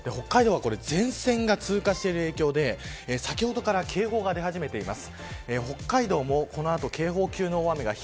北海道は前線が通過している影響で先ほどから警報が出始めています。